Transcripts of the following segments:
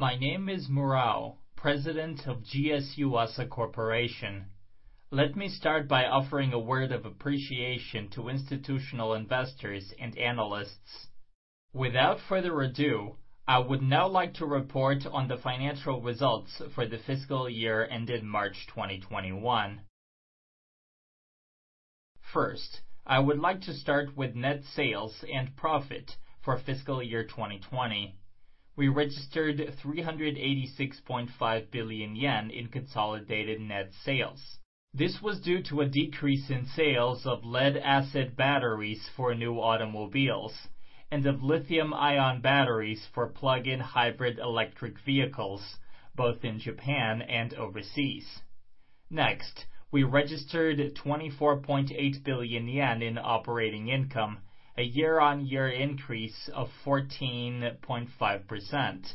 My name is Murao, President of GS Yuasa Corporation. Let me start by offering a word of appreciation to institutional investors and analysts. Without further ado, I would now like to report on the financial results for the fiscal year ended March 2021. First, I would like to start with net sales and profit for fiscal year 2020. We registered 386.5 billion yen in consolidated net sales. This was due to a decrease in sales of lead-acid batteries for new automobiles and of lithium-ion batteries for plug-in hybrid electric vehicles, both in Japan and overseas. Next, we registered 24.8 billion yen in operating income, a year-on-year increase of 14.5%.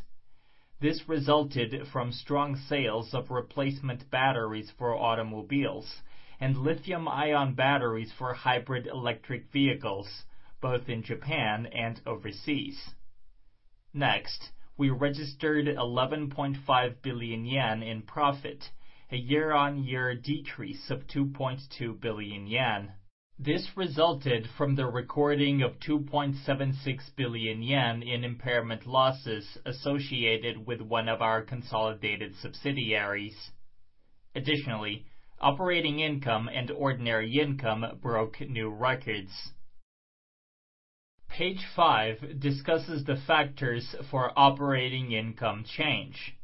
This resulted from strong sales of replacement batteries for automobiles and lithium-ion batteries for hybrid electric vehicles, both in Japan and overseas. Next, we registered 11.5 billion yen in profit, a year-on-year decrease of 2.2 billion yen. This resulted from the recording of 2.76 billion yen in impairment losses associated with one of our consolidated subsidiaries. Additionally, operating income and ordinary income broke new records. Page five discusses the factors for operating income change.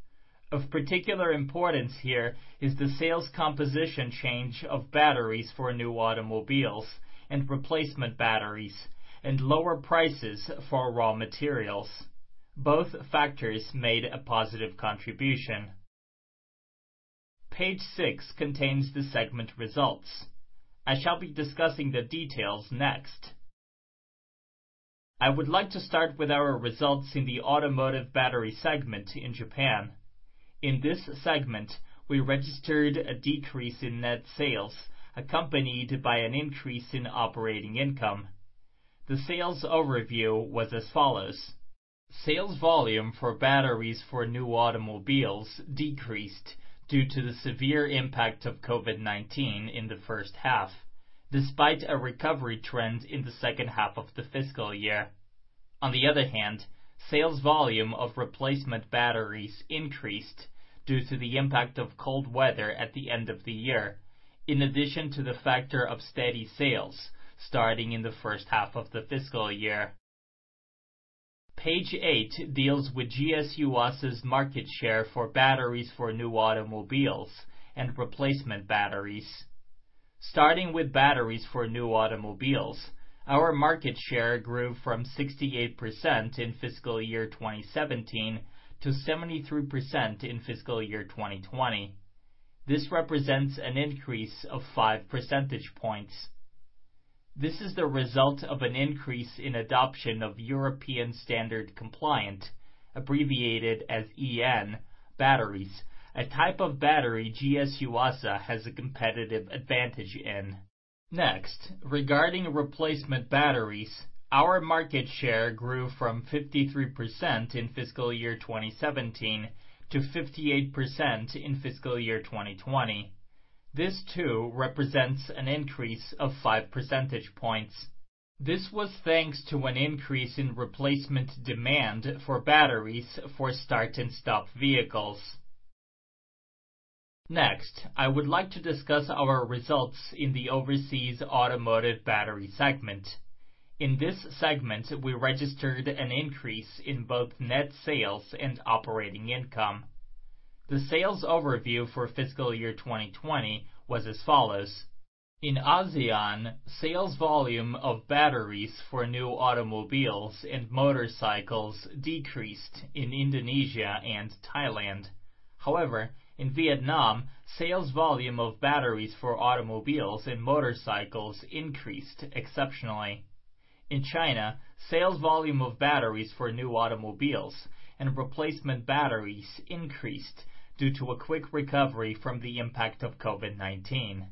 Of particular importance here is the sales composition change of batteries for new automobiles and replacement batteries and lower prices for raw materials. Both factors made a positive contribution. Page six contains the segment results. I shall be discussing the details next. I would like to start with our results in the automotive battery segment in Japan. In this segment, we registered a decrease in net sales accompanied by an increase in operating income. The sales overview was as follows. Sales volume for batteries for new automobiles decreased due to the severe impact of COVID-19 in the first half, despite a recovery trend in the second half of the fiscal year. On the other hand, sales volume of replacement batteries increased due to the impact of cold weather at the end of the year, in addition to the factor of steady sales starting in the first half of the fiscal year. Page eight deals with GS Yuasa's market share for batteries for new automobiles and replacement batteries. Starting with batteries for new automobiles, our market share grew from 68% in fiscal year 2017 to 73% in fiscal year 2020. This represents an increase of five percentage points. This is the result of an increase in adoption of European standard compliant, abbreviated as EN batteries, a type of battery GS Yuasa has a competitive advantage in. Regarding replacement batteries, our market share grew from 53% in fiscal year 2017 to 58% in fiscal year 2020. This too represents an increase of five percentage points. This was thanks to an increase in replacement demand for batteries for start-and-stop vehicles. I would like to discuss our results in the overseas automotive battery segment. In this segment, we registered an increase in both net sales and operating income. The sales overview for fiscal year 2020 was as follows. In ASEAN, sales volume of batteries for new automobiles and motorcycles decreased in Indonesia and Thailand. In Vietnam, sales volume of batteries for automobiles and motorcycles increased exceptionally. In China, sales volume of batteries for new automobiles and replacement batteries increased due to a quick recovery from the impact of COVID-19.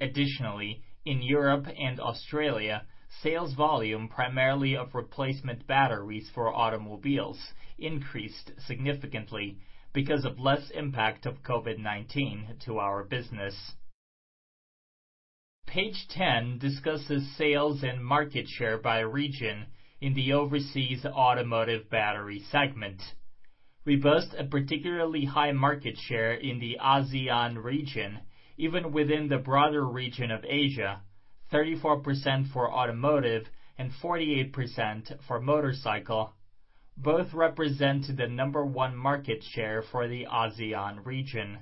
In Europe and Australia, sales volume primarily of replacement batteries for automobiles increased significantly because of less impact of COVID-19 to our business. Page 10 discusses sales and market share by region in the overseas automotive battery segment. We boast a particularly high market share in the ASEAN region, even within the broader region of Asia, 34% for automotive and 48% for motorcycle. Both represent the number one market share for the ASEAN region.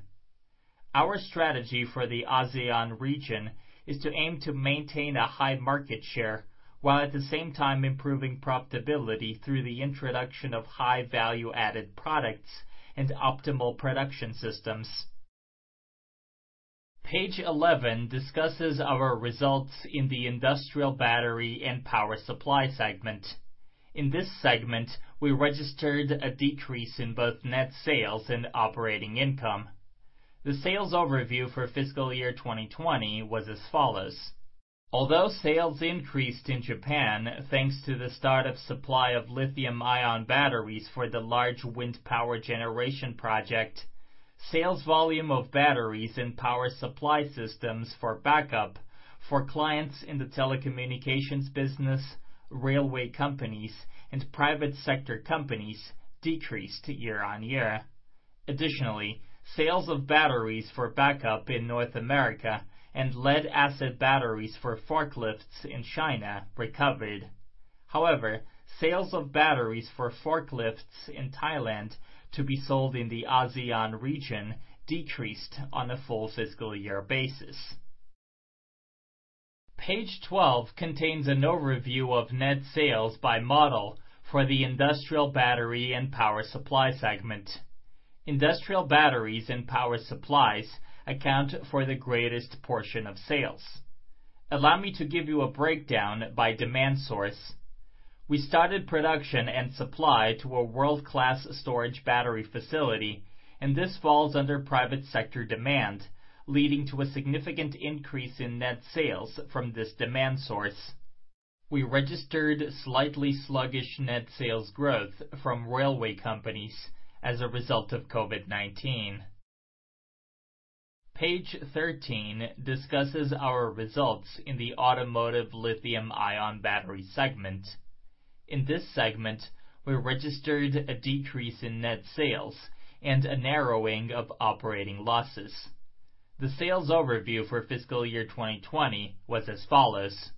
Our strategy for the ASEAN region is to aim to maintain a high market share while at the same time improving profitability through the introduction of high-value-added products and optimal production systems. Page 11 discusses our results in the industrial battery and power supply segment. In this segment, we registered a decrease in both net sales and operating income. The sales overview for fiscal year 2020 was as follows: Although sales increased in Japan, thanks to the start of supply of lithium-ion batteries for the large wind power generation project, sales volume of batteries and power supply systems for backup for clients in the telecommunications business, railway companies, and private sector companies decreased year-on-year. Additionally, sales of batteries for backup in North America and lead-acid batteries for forklifts in China recovered. However, sales of batteries for forklifts in Thailand to be sold in the ASEAN region decreased on a full fiscal year basis. Page 12 contains an overview of net sales by model for the Industrial Battery and Power Supply segment. Industrial batteries and power supplies account for the greatest portion of sales. Allow me to give you a breakdown by demand source. We started production and supply to a world-class storage battery facility, and this falls under private sector demand, leading to a significant increase in net sales from this demand source. We registered slightly sluggish net sales growth from railway companies as a result of COVID-19. Page 13 discusses our results in the Automotive Lithium-Ion Battery segment. In this segment, we registered a decrease in net sales and a narrowing of operating losses. The sales overview for fiscal year 2020 was as follows: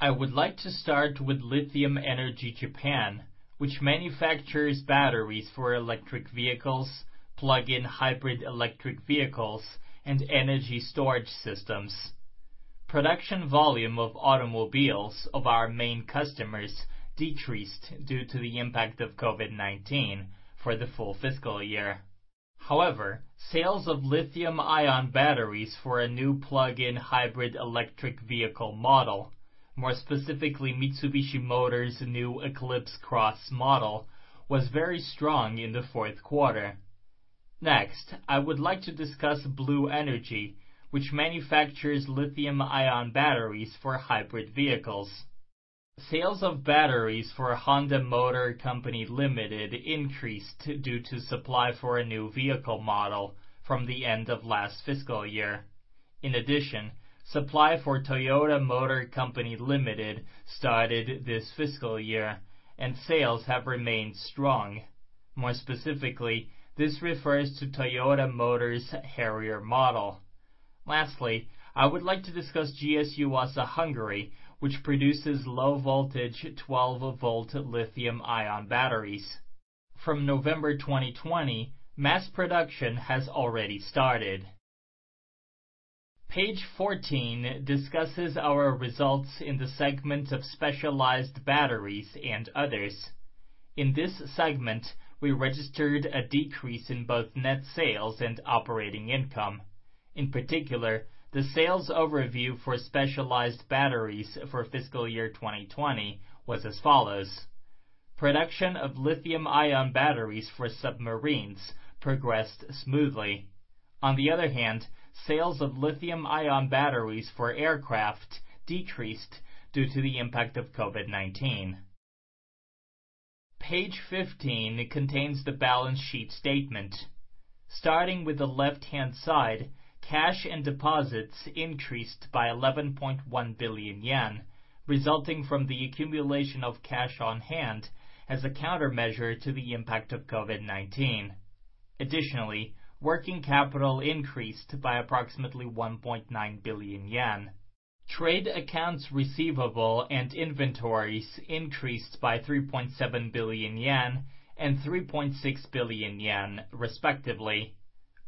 I would like to start with Lithium Energy Japan, which manufactures batteries for electric vehicles, plug-in hybrid electric vehicles, and energy storage systems. Production volume of automobiles of our main customers decreased due to the impact of COVID-19 for the full fiscal year. However, sales of lithium-ion batteries for a new plug-in hybrid electric vehicle model, more specifically Mitsubishi Motors' new Eclipse Cross model, was very strong in the fourth quarter. Next, I would like to discuss Blue Energy, which manufactures lithium-ion batteries for hybrid vehicles. Sales of batteries for Honda Motor Company Limited increased due to supply for a new vehicle model from the end of last fiscal year. In addition, supply for Toyota Motor Company Limited started this fiscal year, and sales have remained strong. More specifically, this refers to Toyota Motor's Harrier model. Lastly, I would like to discuss GS Yuasa Hungary, which produces low-voltage 12-V lithium-ion batteries. From November 2020, mass production has already started. Page 14 discusses our results in the segment of Specialized Batteries and Others. In this segment, we registered a decrease in both net sales and operating income. In particular, the sales overview for specialized batteries for fiscal year 2020 was as follows: Production of lithium-ion batteries for submarines progressed smoothly. On the other hand, sales of lithium-ion batteries for aircraft decreased due to the impact of COVID-19. Page 15 contains the balance sheet statement. Starting with the left-hand side, cash and deposits increased by 11.1 billion yen, resulting from the accumulation of cash on hand as a countermeasure to the impact of COVID-19. Working capital increased by approximately 1.9 billion yen. Trade accounts receivable and inventories increased by 3.7 billion yen and 3.6 billion yen, respectively.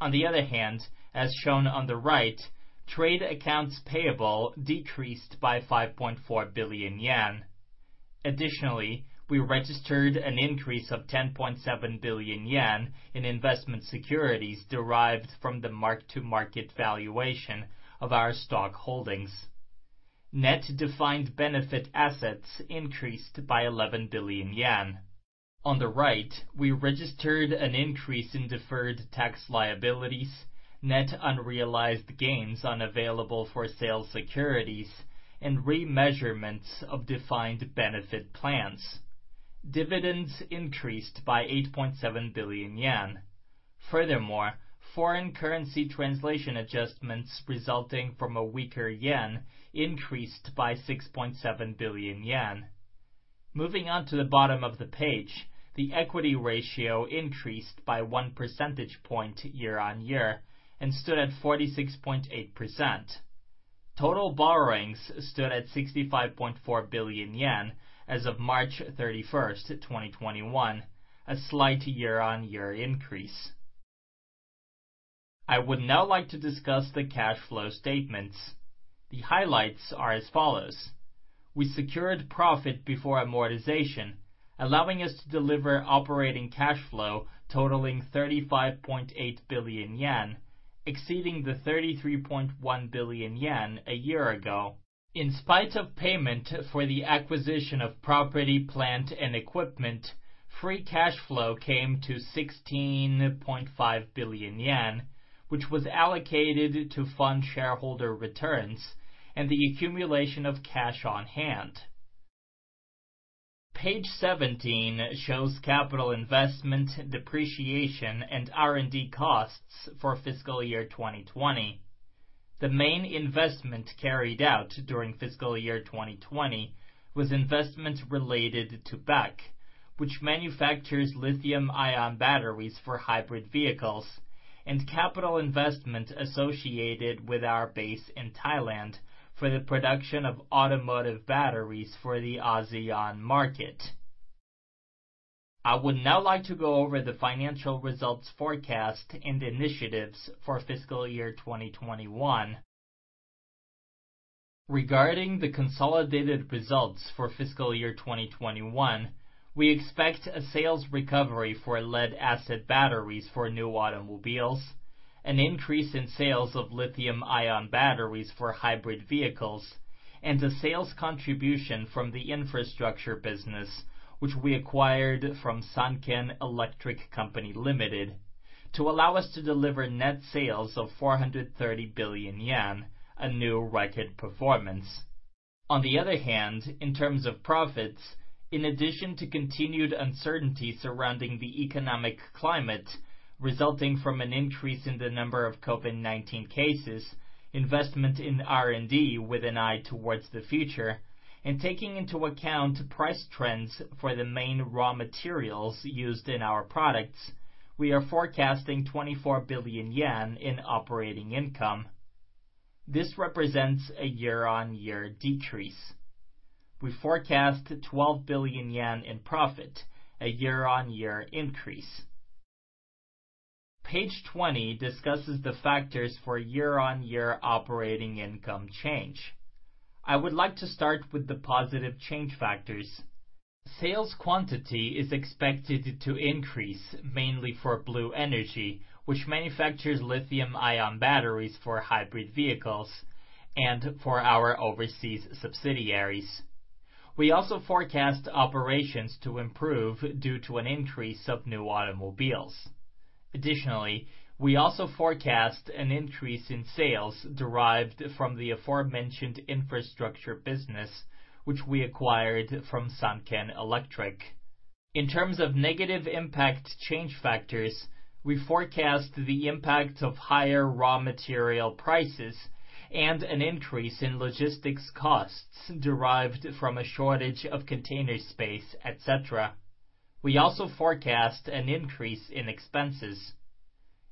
On the other hand, as shown on the right, trade accounts payable decreased by 5.4 billion yen. We registered an increase of 10.7 billion yen in investment securities derived from the mark-to-market valuation of our stock holdings. Net defined benefit assets increased by 11 billion yen. On the right, we registered an increase in deferred tax liabilities, net unrealized gains on available-for-sale securities, and remeasurements of defined benefit plans. Dividends increased by 8.7 billion yen. Foreign currency translation adjustments resulting from a weaker JPY increased by 6.7 billion yen. Moving on to the bottom of the page, the equity ratio increased by one percentage point year-on-year and stood at 46.8%. Total borrowings stood at 65.4 billion yen as of March 31st, 2021, a slight year-on-year increase. I would now like to discuss the cash flow statements. The highlights are as follows. We secured profit before amortization, allowing us to deliver operating cash flow totaling 35.8 billion yen, exceeding the 33.1 billion yen a year ago. In spite of payment for the acquisition of property, plant, and equipment, free cash flow came to 16.5 billion yen, which was allocated to fund shareholder returns and the accumulation of cash on hand. Page 17 shows capital investment, depreciation, and R&D costs for fiscal year 2020. The main investment carried out during fiscal year 2020 was investment related to BEC, which manufactures lithium-ion batteries for hybrid vehicles, and capital investment associated with our base in Thailand for the production of automotive batteries for the ASEAN market. I would now like to go over the financial results forecast and initiatives for fiscal year 2021. Regarding the consolidated results for fiscal year 2021, we expect a sales recovery for lead-acid batteries for new automobiles, an increase in sales of lithium-ion batteries for hybrid vehicles, and a sales contribution from the infrastructure business, which we acquired from Sanken Electric Company Limited to allow us to deliver net sales of 430 billion yen, a new record performance. On the other hand, in terms of profits, in addition to continued uncertainty surrounding the economic climate resulting from an increase in the number of COVID-19 cases, investment in R&D with an eye towards the future, and taking into account price trends for the main raw materials used in our products, we are forecasting 24 billion yen in operating income. This represents a year-on-year decrease. We forecast 12 billion yen in profit, a year-on-year increase. Page 20 discusses the factors for year-on-year operating income change. I would like to start with the positive change factors. Sales quantity is expected to increase mainly for Blue Energy, which manufactures lithium-ion batteries for hybrid vehicles and for our overseas subsidiaries. We also forecast operations to improve due to an increase of new automobiles. Additionally, we also forecast an increase in sales derived from the aforementioned infrastructure business, which we acquired from Sanken Electric. In terms of negative impact change factors, we forecast the impact of higher raw material prices and an increase in logistics costs derived from a shortage of container space, et cetera. We also forecast an increase in expenses.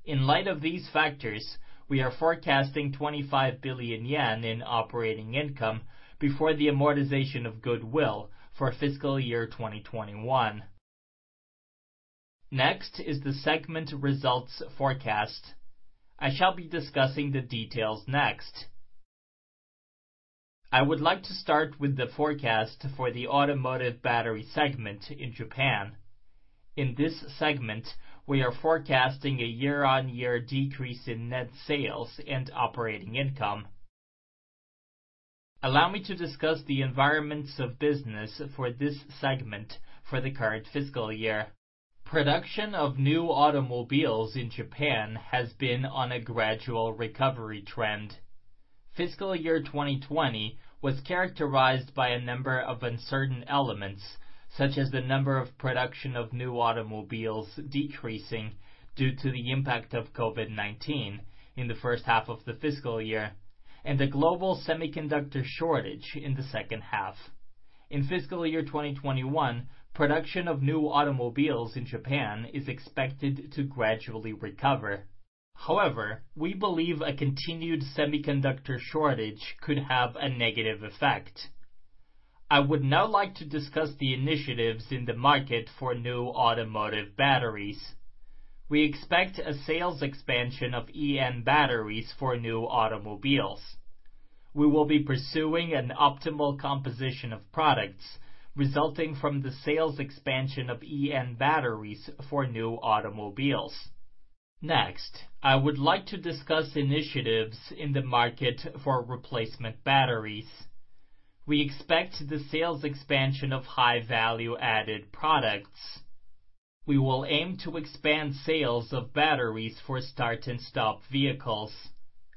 In light of these factors, we are forecasting 25 billion yen in operating income before the amortization of goodwill for fiscal year 2021. The segment results forecast. I shall be discussing the details next. I would like to start with the forecast for the automotive battery segment in Japan. In this segment, we are forecasting a year-on-year decrease in net sales and operating income. Allow me to discuss the environments of business for this segment for the current fiscal year. Production of new automobiles in Japan has been on a gradual recovery trend. Fiscal year 2020 was characterized by a number of uncertain elements, such as the number of production of new automobiles decreasing due to the impact of COVID-19 in the first half of the fiscal year, and the global semiconductor shortage in the second half. In fiscal year 2021, production of new automobiles in Japan is expected to gradually recover. However, we believe a continued semiconductor shortage could have a negative effect. I would now like to discuss the initiatives in the market for new automotive batteries. We expect a sales expansion of EN batteries for new automobiles. We will be pursuing an optimal composition of products resulting from the sales expansion of EN batteries for new automobiles. Next, I would like to discuss initiatives in the market for replacement batteries. We expect the sales expansion of high-value-added products. We will aim to expand sales of batteries for start-and-stop vehicles.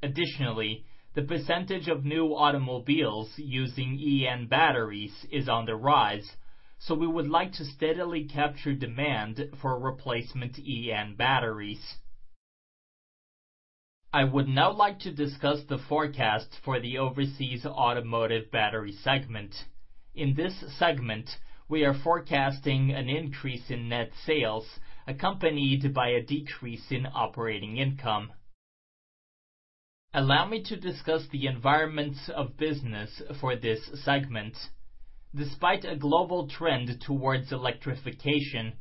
Additionally, the percentage of new automobiles using EN batteries is on the rise, so we would like to steadily capture demand for replacement EN batteries. I would now like to discuss the forecast for the overseas automotive battery segment. In this segment, we are forecasting an increase in net sales accompanied by a decrease in operating income. Allow me to discuss the environments of business for this segment. Despite a global trend towards electrification,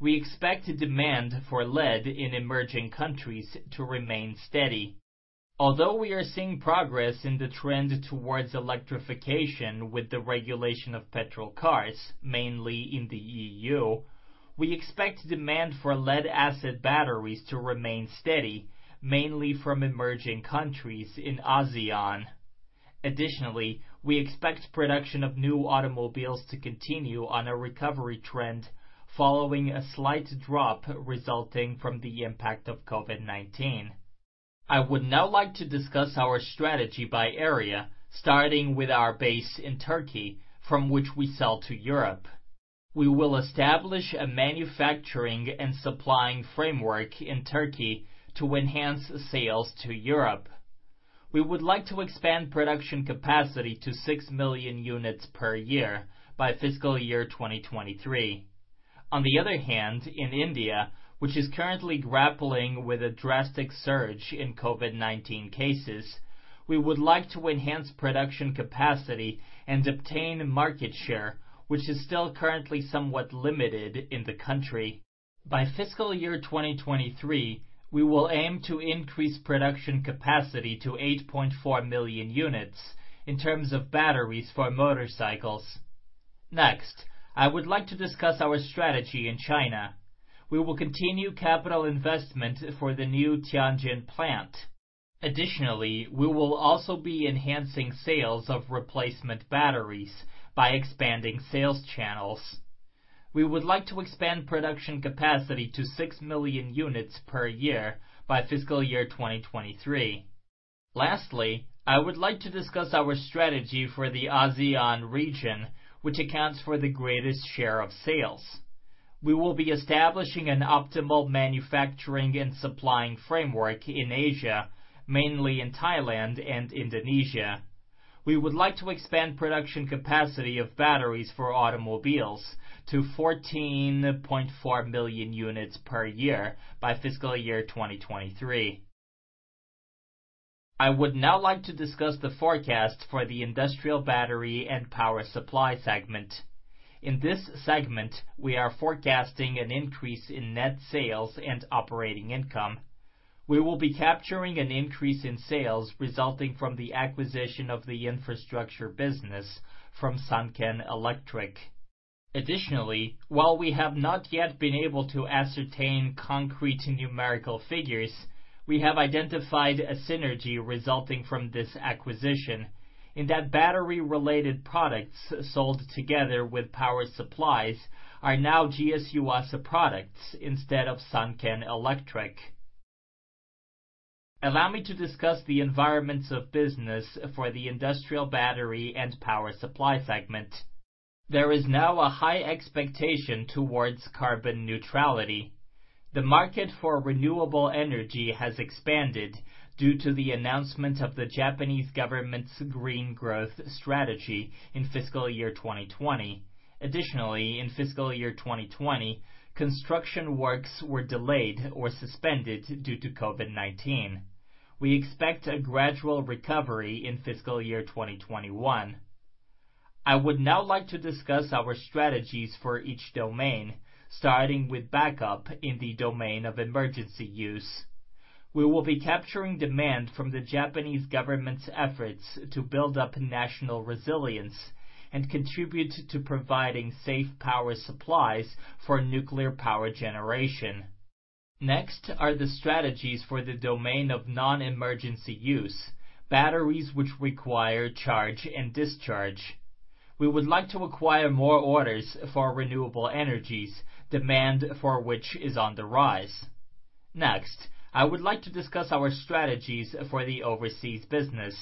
we expect demand for lead in emerging countries to remain steady. Although we are seeing progress in the trend towards electrification with the regulation of petrol cars, mainly in the EU, we expect demand for lead-acid batteries to remain steady, mainly from emerging countries in ASEAN. Additionally, we expect production of new automobiles to continue on a recovery trend following a slight drop resulting from the impact of COVID-19. I would now like to discuss our strategy by area, starting with our base in Turkey, from which we sell to Europe. We will establish a manufacturing and supplying framework in Turkey to enhance sales to Europe. We would like to expand production capacity to 6 million units per year by fiscal year 2023. On the other hand, in India, which is currently grappling with a drastic surge in COVID-19 cases, we would like to enhance production capacity and obtain market share, which is still currently somewhat limited in the country. By fiscal year 2023, we will aim to increase production capacity to 8.4 million units in terms of batteries for motorcycles. Next, I would like to discuss our strategy in China. We will continue capital investment for the new Tianjin plant. Additionally, we will also be enhancing sales of replacement batteries by expanding sales channels. We would like to expand production capacity to 6 million units per year by fiscal year 2023. Lastly, I would like to discuss our strategy for the ASEAN region, which accounts for the greatest share of sales. We will be establishing an optimal manufacturing and supplying framework in Asia, mainly in Thailand and Indonesia. We would like to expand production capacity of batteries for automobiles to 14.4 million units per year by fiscal year 2023. I would now like to discuss the forecast for the industrial battery and power supply segment. In this segment, we are forecasting an increase in net sales and operating income. We will be capturing an increase in sales resulting from the acquisition of the infrastructure business from Sanken Electric. Additionally, while we have not yet been able to ascertain concrete numerical figures, we have identified a synergy resulting from this acquisition, in that battery-related products sold together with power supplies are now GS Yuasa products instead of Sanken Electric. Allow me to discuss the environments of business for the industrial battery and power supply segment. There is now a high expectation towards carbon neutrality. The market for renewable energy has expanded due to the announcement of the Japanese government's green growth strategy in fiscal year 2020. Additionally, in fiscal year 2020, construction works were delayed or suspended due to COVID-19. We expect a gradual recovery in fiscal year 2021. I would now like to discuss our strategies for each domain, starting with backup in the domain of emergency use. We will be capturing demand from the Japanese government's efforts to build up national resilience and contribute to providing safe power supplies for nuclear power generation. Next are the strategies for the domain of non-emergency use, batteries which require charge and discharge. We would like to acquire more orders for renewable energies, demand for which is on the rise. Next, I would like to discuss our strategies for the overseas business.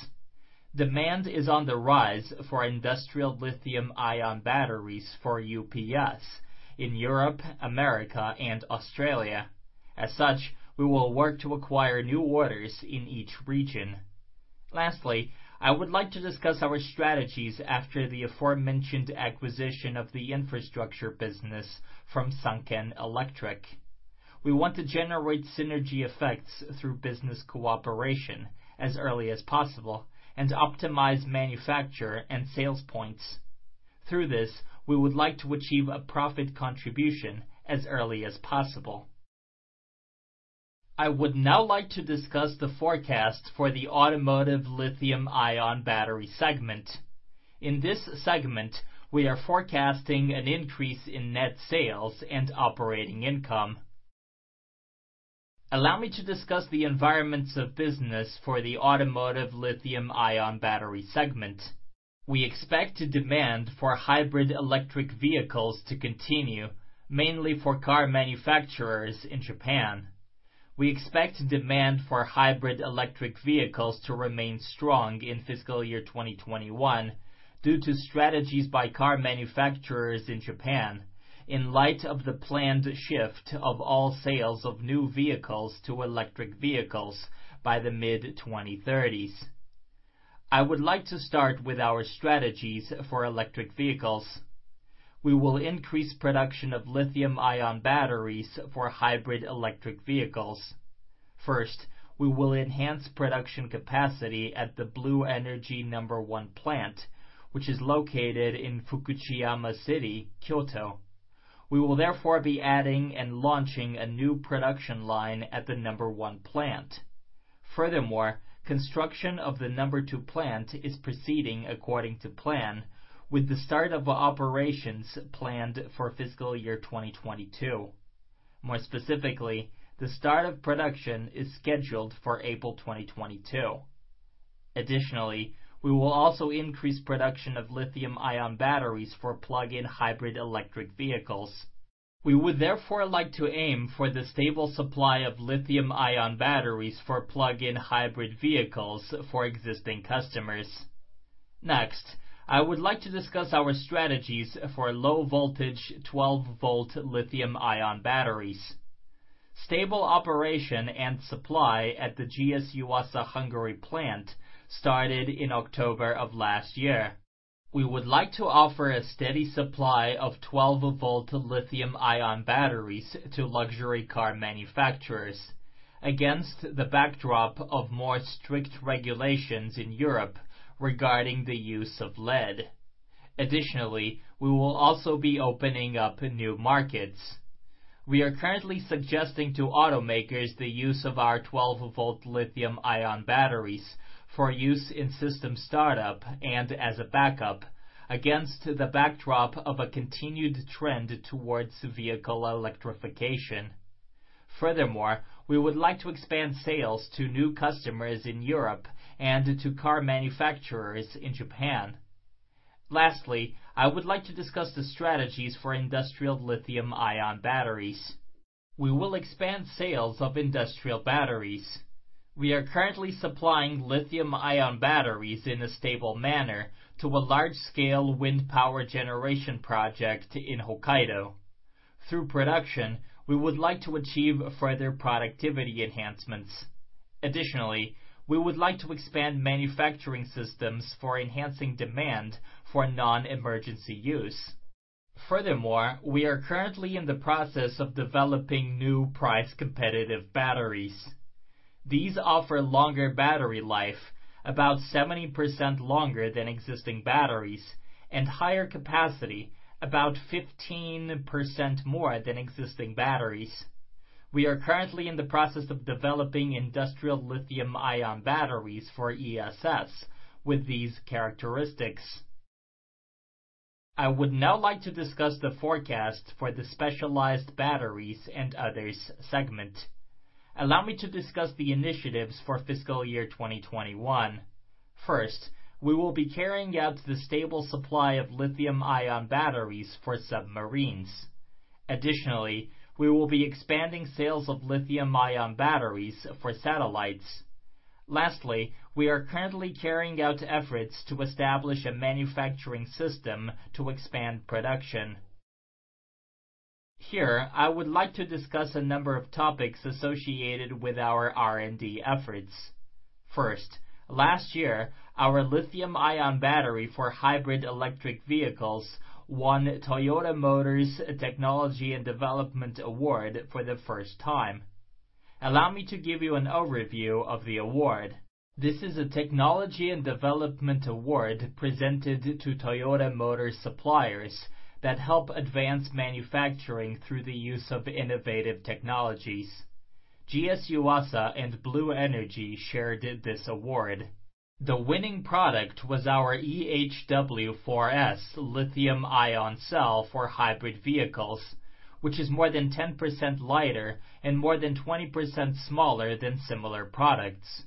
Demand is on the rise for industrial lithium-ion batteries for UPS in Europe, America, and Australia. As such, we will work to acquire new orders in each region. Lastly, I would like to discuss our strategies after the aforementioned acquisition of the infrastructure business from Sanken Electric. We want to generate synergy effects through business cooperation as early as possible and optimize manufacture and sales points. Through this, we would like to achieve a profit contribution as early as possible. I would now like to discuss the forecast for the automotive lithium-ion battery segment. In this segment, we are forecasting an increase in net sales and operating income. Allow me to discuss the environments of business for the automotive lithium-ion battery segment. We expect demand for hybrid electric vehicles to continue, mainly for car manufacturers in Japan. We expect demand for hybrid electric vehicles to remain strong in FY 2021 due to strategies by car manufacturers in Japan in light of the planned shift of all sales of new vehicles to electric vehicles by the mid-2030s. I would like to start with our strategies for electric vehicles. We will increase production of lithium-ion batteries for hybrid electric vehicles. First, we will enhance production capacity at the Blue Energy No. 1 plant, which is located in Fukuchiyama City, Kyoto. We will therefore be adding and launching a new production line at the No. 1 plant. Furthermore, construction of the No. 2 plant is proceeding according to plan, with the start of operations planned for fiscal year 2022. More specifically, the start of production is scheduled for April 2022. Additionally, we will also increase production of lithium-ion batteries for plug-in hybrid electric vehicles. We would therefore like to aim for the stable supply of lithium-ion batteries for plug-in hybrid vehicles for existing customers. Next, I would like to discuss our strategies for low-voltage 12-V lithium-ion batteries. Stable operation and supply at the GS Yuasa Hungary plant started in October of last year. We would like to offer a steady supply of 12-V lithium-ion batteries to luxury car manufacturers against the backdrop of more strict regulations in Europe regarding the use of lead. Additionally, we will also be opening up new markets. We are currently suggesting to automakers the use of our 12-V lithium-ion batteries for use in system startup and as a backup against the backdrop of a continued trend towards vehicle electrification. Furthermore, we would like to expand sales to new customers in Europe and to car manufacturers in Japan. Lastly, I would like to discuss the strategies for industrial lithium-ion batteries. We will expand sales of industrial batteries. We are currently supplying lithium-ion batteries in a stable manner to a large-scale wind power generation project in Hokkaido. Through production, we would like to achieve further productivity enhancements. Additionally, we would like to expand manufacturing systems for enhancing demand for non-emergency use. Furthermore, we are currently in the process of developing new price-competitive batteries. These offer longer battery life, about 70% longer than existing batteries, and higher capacity, about 15% more than existing batteries. We are currently in the process of developing industrial lithium-ion batteries for ESS with these characteristics. I would now like to discuss the forecast for the specialized batteries and others segment. Allow me to discuss the initiatives for fiscal year 2021. First, we will be carrying out the stable supply of lithium-ion batteries for submarines. We will be expanding sales of lithium-ion batteries for satellites. We are currently carrying out efforts to establish a manufacturing system to expand production. Here, I would like to discuss a number of topics associated with our R&D efforts. Last year, our lithium-ion battery for hybrid electric vehicles won Toyota Motor's Technology and Development Award for the first time. Allow me to give you an overview of the award. This is a technology and development award presented to Toyota Motor suppliers that help advance manufacturing through the use of innovative technologies. GS Yuasa and Blue Energy shared this award. The winning product was our EHW-4S lithium-ion cell for hybrid vehicles, which is more than 10% lighter and more than 20% smaller than similar products.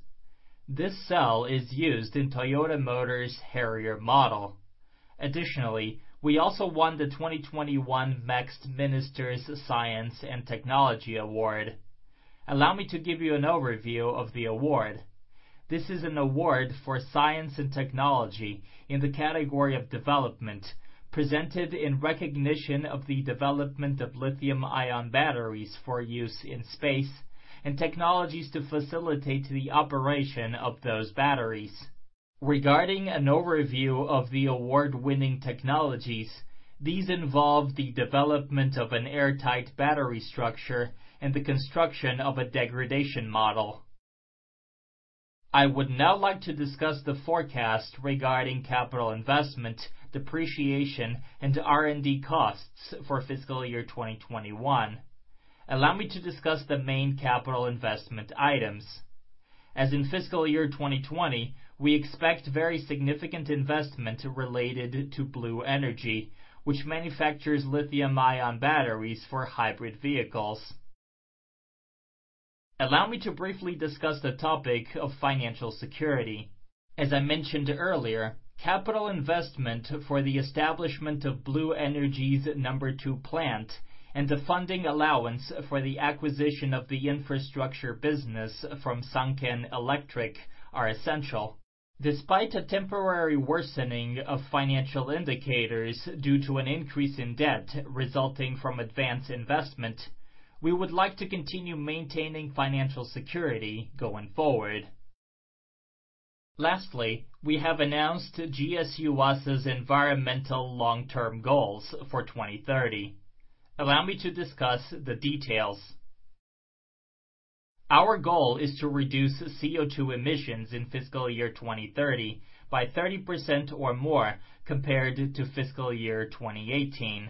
This cell is used in Toyota Motor's Harrier model. Additionally, we also won the 2021 MEXT Minister's Science and Technology Award. Allow me to give you an overview of the award. This is an award for science and technology in the category of development presented in recognition of the development of lithium-ion batteries for use in space and technologies to facilitate the operation of those batteries. Regarding an overview of the award-winning technologies, these involve the development of an airtight battery structure and the construction of a degradation model. I would now like to discuss the forecast regarding capital investment, depreciation, and R&D costs for fiscal year 2021. Allow me to discuss the main capital investment items. As in fiscal year 2020, we expect very significant investment related to Blue Energy, which manufactures lithium-ion batteries for hybrid vehicles. Allow me to briefly discuss the topic of financial security. As I mentioned earlier, capital investment for the establishment of Blue Energy's No. 2 plant and the funding allowance for the acquisition of the infrastructure business from Sanken Electric are essential. Despite a temporary worsening of financial indicators due to an increase in debt resulting from advanced investment, we would like to continue maintaining financial security going forward. Lastly, we have announced GS Yuasa's environmental long-term goals for 2030. Allow me to discuss the details. Our goal is to reduce CO2 emissions in fiscal year 2030 by 30% or more compared to fiscal year 2018.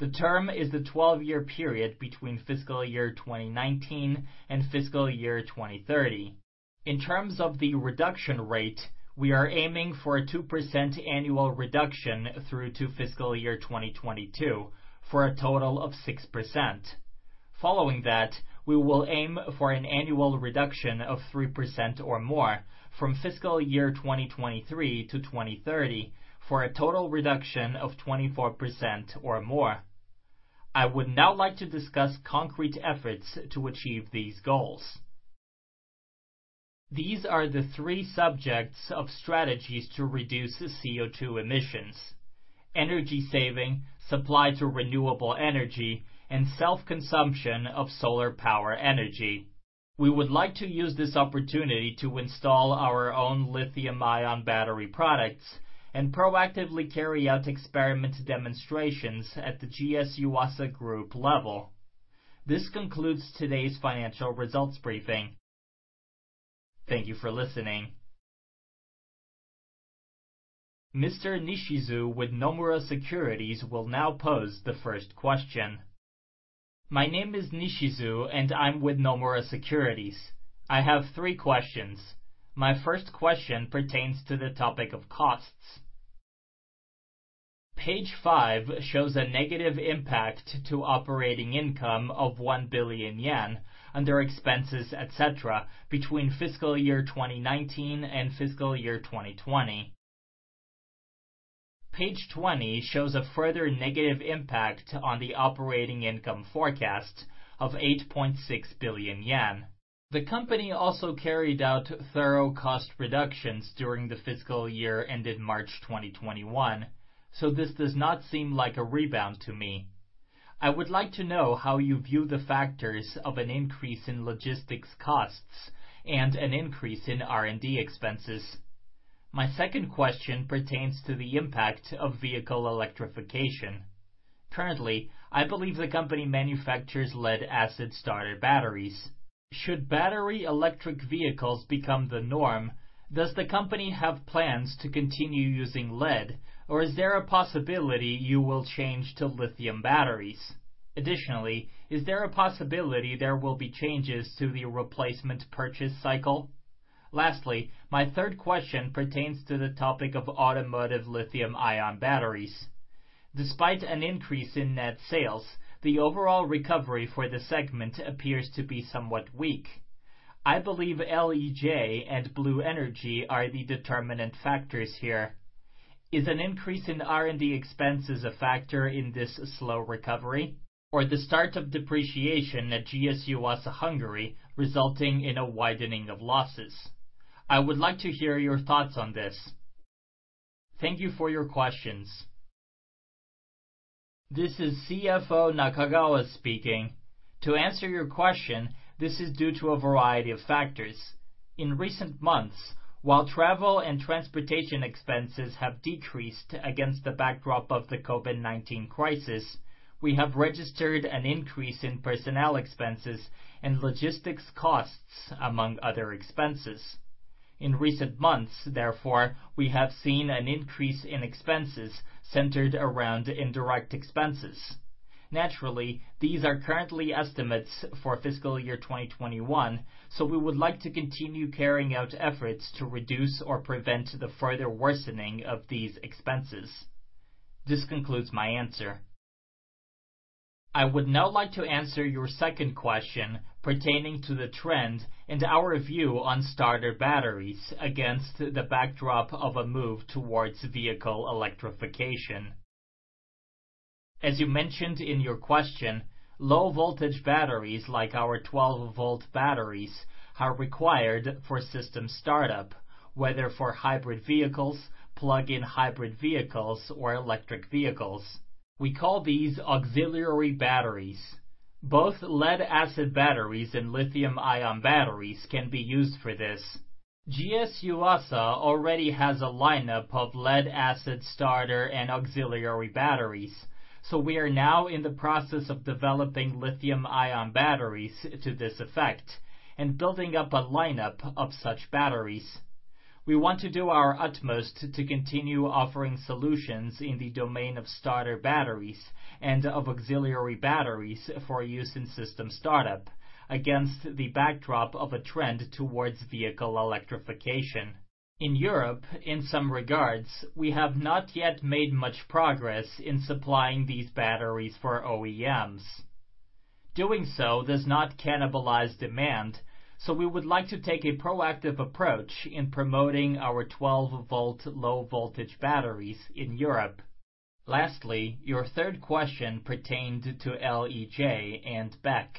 The term is the 12-year period between fiscal year 2019 and fiscal year 2030. In terms of the reduction rate, we are aiming for a 2% annual reduction through to fiscal year 2022, for a total of 6%. Following that, we will aim for an annual reduction of 3% or more from fiscal year 2023 to 2030, for a total reduction of 24% or more. I would now like to discuss concrete efforts to achieve these goals. These are the three subjects of strategies to reduce CO2 emissions, energy saving, supply to renewable energy, and self-consumption of solar power energy. We would like to use this opportunity to install our own lithium-ion battery products and proactively carry out experiment demonstrations at the GS Yuasa Group level. This concludes today's financial results briefing. Thank you for listening. Mr. Nishizu with Nomura Securities will now pose the first question. My name is Nishizu, and I'm with Nomura Securities. I have three questions. My first question pertains to the topic of costs. Page five shows a negative impact to operating income of 1 billion yen under expenses, et cetera, between fiscal year 2019 and fiscal year 2020. Page 20 shows a further negative impact on the operating income forecast of 8.6 billion yen. The company also carried out thorough cost reductions during the fiscal year ended March 2021, so this does not seem like a rebound to me. I would like to know how you view the factors of an increase in logistics costs and an increase in R&D expenses. My second question pertains to the impact of vehicle electrification. Currently, I believe the company manufactures lead-acid starter batteries. Should battery electric vehicles become the norm, does the company have plans to continue using lead, or is there a possibility you will change to lithium batteries? Additionally, is there a possibility there will be changes to the replacement purchase cycle? Lastly, my third question pertains to the topic of automotive lithium-ion batteries. Despite an increase in net sales, the overall recovery for the segment appears to be somewhat weak. I believe LEJ and Blue Energy are the determinant factors here. Is an increase in R&D expenses a factor in this slow recovery or the start of depreciation at GS Yuasa Hungary resulting in a widening of losses? I would like to hear your thoughts on this. Thank you for your questions. This is CFO Nakagawa speaking. To answer your question, this is due to a variety of factors. In recent months, while travel and transportation expenses have decreased against the backdrop of the COVID-19 crisis, we have registered an increase in personnel expenses and logistics costs, among other expenses. In recent months, therefore, we have seen an increase in expenses centered around indirect expenses. Naturally, these are currently estimates for fiscal year 2021, so we would like to continue carrying out efforts to reduce or prevent the further worsening of these expenses. This concludes my answer. I would now like to answer your second question pertaining to the trend and our view on starter batteries against the backdrop of a move towards vehicle electrification. As you mentioned in your question, low-voltage batteries like our 12-V batteries are required for system startup, whether for hybrid vehicles, plug-in hybrid vehicles, or electric vehicles. We call these auxiliary batteries. Both lead-acid batteries and lithium-ion batteries can be used for this. GS Yuasa already has a lineup of lead-acid starter and auxiliary batteries, so we are now in the process of developing lithium-ion batteries to this effect and building up a lineup of such batteries. We want to do our utmost to continue offering solutions in the domain of starter batteries and of auxiliary batteries for use in system startup against the backdrop of a trend towards vehicle electrification. In Europe, in some regards, we have not yet made much progress in supplying these batteries for OEMs. Doing so does not cannibalize demand. We would like to take a proactive approach in promoting our 12-V low-voltage batteries in Europe. Lastly, your third question pertained to LEJ and BEC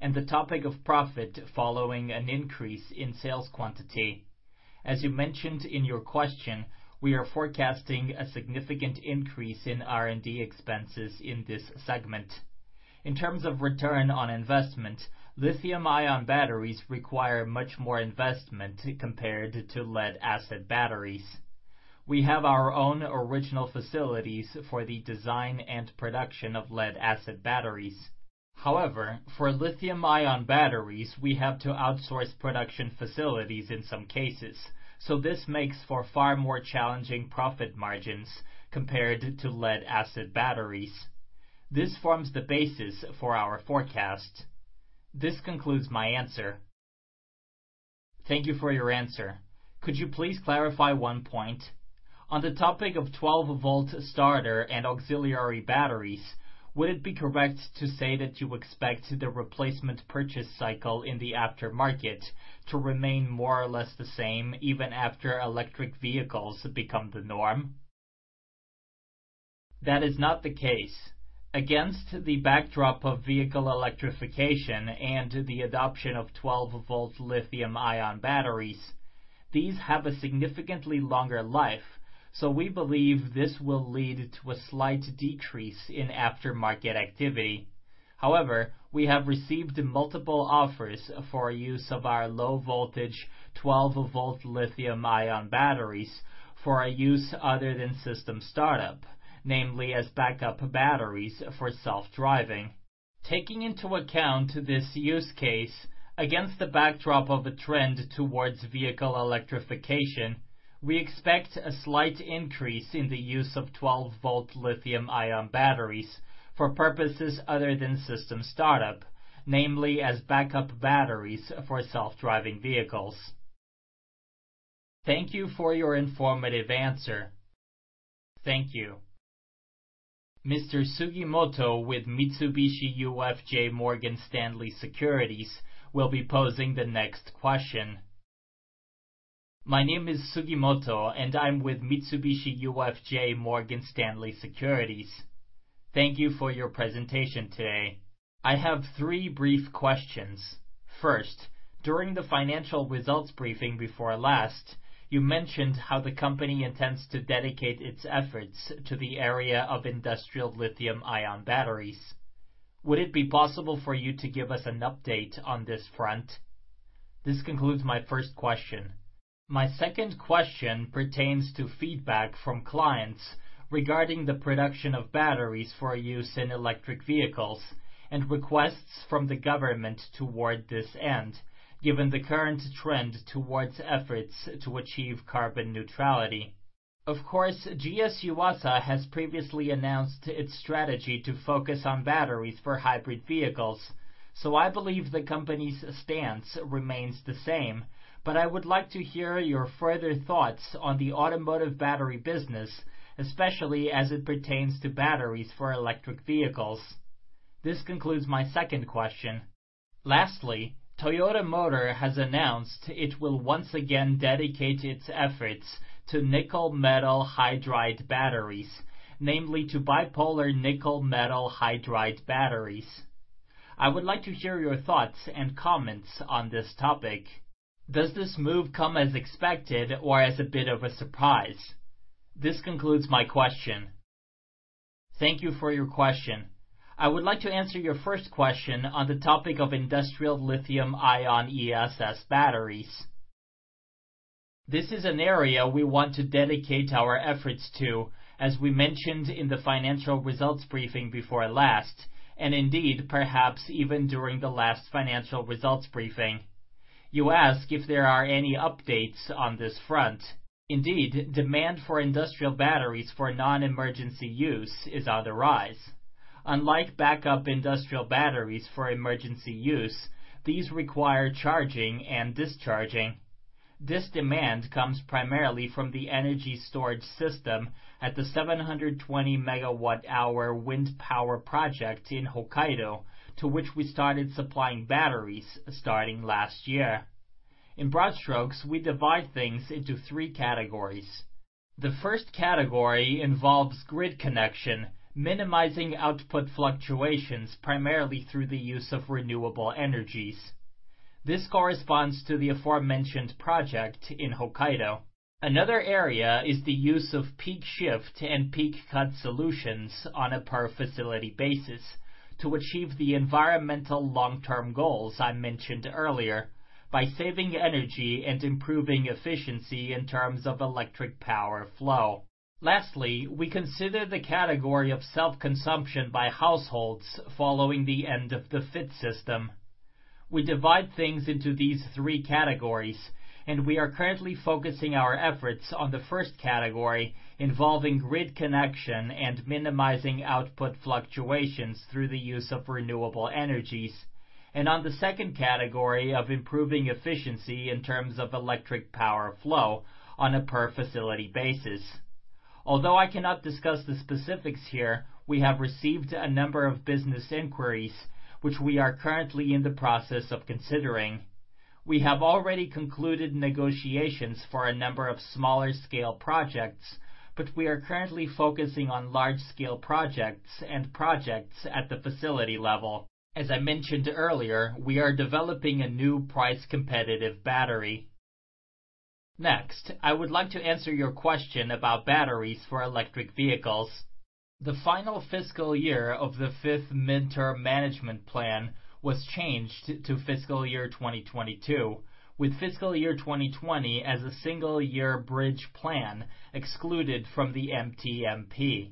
and the topic of profit following an increase in sales quantity. As you mentioned in your question, we are forecasting a significant increase in R&D expenses in this segment. In terms of return on investment, lithium-ion batteries require much more investment compared to lead-acid batteries. We have our own original facilities for the design and production of lead-acid batteries. However, for lithium-ion batteries, we have to outsource production facilities in some cases. This makes for far more challenging profit margins compared to lead-acid batteries. This forms the basis for our forecast. This concludes my answer. Thank you for your answer. Could you please clarify one point? On the topic of 12-V starter and auxiliary batteries, would it be correct to say that you expect the replacement purchase cycle in the aftermarket to remain more or less the same even after electric vehicles become the norm? That is not the case. Against the backdrop of vehicle electrification and the adoption of 12-V lithium-ion batteries, these have a significantly longer life, so we believe this will lead to a slight decrease in aftermarket activity. However, we have received multiple offers for use of our low-voltage 12-V lithium-ion batteries for use other than system startup, namely as backup batteries for self-driving. Taking into account this use case, against the backdrop of a trend towards vehicle electrification, we expect a slight increase in the use of 12-V lithium-ion batteries for purposes other than system startup, namely as backup batteries for self-driving vehicles. Thank you for your informative answer. Thank you. Mr. Sugimoto with Mitsubishi UFJ Morgan Stanley Securities will be posing the next question. My name is Sugimoto, and I'm with Mitsubishi UFJ Morgan Stanley Securities. Thank you for your presentation today. I have three brief questions. First, during the financial results briefing before last, you mentioned how the company intends to dedicate its efforts to the area of industrial lithium-ion batteries. Would it be possible for you to give us an update on this front? This concludes my first question. My second question pertains to feedback from clients regarding the production of batteries for use in electric vehicles and requests from the government toward this end, given the current trend towards efforts to achieve carbon neutrality. Of course, GS Yuasa has previously announced its strategy to focus on batteries for hybrid vehicles. I believe the company's stance remains the same, but I would like to hear your further thoughts on the automotive battery business, especially as it pertains to batteries for electric vehicles. This concludes my second question. Lastly, Toyota Motor has announced it will once again dedicate its efforts to nickel metal hydride batteries, namely to bipolar nickel metal hydride batteries. I would like to hear your thoughts and comments on this topic. Does this move come as expected or as a bit of a surprise? This concludes my question. Thank you for your question. I would like to answer your first question on the topic of industrial lithium-ion ESS batteries. This is an area we want to dedicate our efforts to, as we mentioned in the financial results briefing before last, and indeed, perhaps even during the last financial results briefing. You ask if there are any updates on this front. Indeed, demand for industrial batteries for non-emergency use is on the rise. Unlike backup industrial batteries for emergency use, these require charging and discharging. This demand comes primarily from the energy storage system at the 720-MWh wind power project in Hokkaido, to which we started supplying batteries starting last year. In broad strokes, we divide things into three categories. The first category involves grid connection, minimizing output fluctuations primarily through the use of renewable energies. This corresponds to the aforementioned project in Hokkaido. Another area is the use of peak shift and peak cut solutions on a per-facility basis to achieve the environmental long-term goals I mentioned earlier by saving energy and improving efficiency in terms of electric power flow. Lastly, we consider the category of self-consumption by households following the end of the FIT system. We divide things into these three categories, and we are currently focusing our efforts on the first category involving grid connection and minimizing output fluctuations through the use of renewable energies, and on the second category of improving efficiency in terms of electric power flow on a per-facility basis. Although I cannot discuss the specifics here, we have received a number of business inquiries, which we are currently in the process of considering. We have already concluded negotiations for a number of smaller-scale projects, but we are currently focusing on large-scale projects and projects at the facility level. As I mentioned earlier, we are developing a new price-competitive battery. Next, I would like to answer your question about batteries for electric vehicles. The final fiscal year of the fifth Mid-Term Management Plan was changed to fiscal year 2022, with fiscal year 2020 as a single-year bridge plan excluded from the MTMP.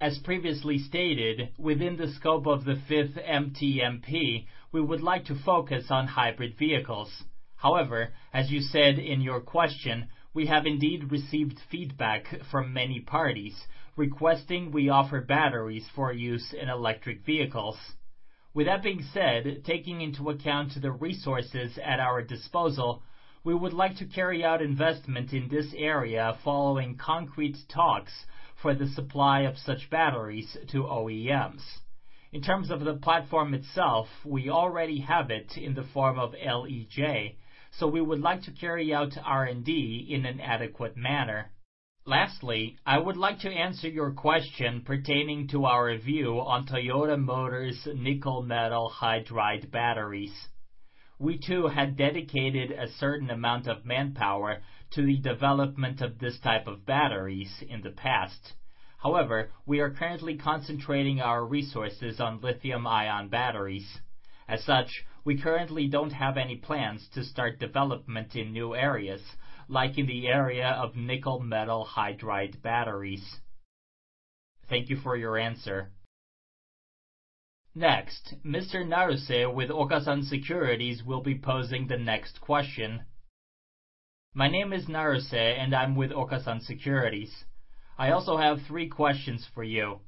As previously stated, within the scope of the fifth MTMP, we would like to focus on hybrid vehicles. However, as you said in your question, we have indeed received feedback from many parties requesting we offer batteries for use in electric vehicles. With that being said, taking into account the resources at our disposal, we would like to carry out investment in this area following concrete talks for the supply of such batteries to OEMs. In terms of the platform itself, we already have it in the form of LEJ, so we would like to carry out R&D in an adequate manner. Lastly, I would like to answer your question pertaining to our view on Toyota Motor's nickel metal hydride batteries. We too had dedicated a certain amount of manpower to the development of this type of batteries in the past. However, we are currently concentrating our resources on lithium-ion batteries. As such, we currently don't have any plans to start development in new areas like in the area of nickel metal hydride batteries. Thank you for your answer. Next, Mr. Naruse with Okasan Securities will be posing the next question. My name is Naruse, and I'm with Okasan Securities. I also have three questions for you.